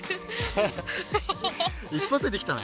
一発でできたね。